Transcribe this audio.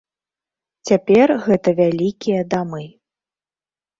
Цяпер гэта вялікія дамы.